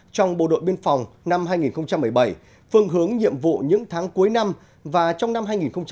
trong bộ đội biên phòng năm hai nghìn một mươi bảy phương hướng nhiệm vụ những tháng cuối năm và trong năm hai nghìn một mươi chín